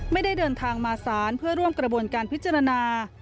ไม่ได้เดินทางมาศาลเพื่อร่วมกระบวนการพิจารณา